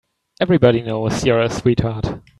Everybody knows you're a sweetheart.